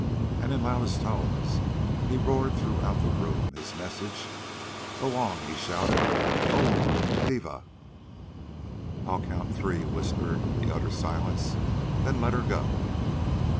And in loudest tones he roared throughout the room his message. "Oong," he shouted, "Oong devah!" "I'll count three," he whispered in the utter silence. "Then let 'er go!"